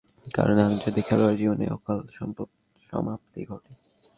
সন্দেহজনক pace bowling ভঙ্গীমার কারণে তার আন্তর্জাতিক খেলোয়াড়ী জীবনের অকাল সমাপ্তি ঘটে।